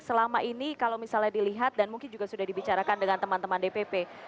selama ini kalau misalnya dilihat dan mungkin juga sudah dibicarakan dengan teman teman dpp